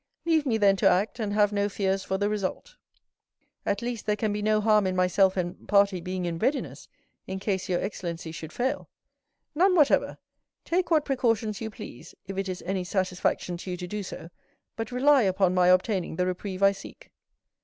Leave me, then, to act, and have no fears for the result." "At least, there can be no harm in myself and party being in readiness, in case your excellency should fail." "None whatever. Take what precautions you please, if it is any satisfaction to you to do so; but rely upon my obtaining the reprieve I seek."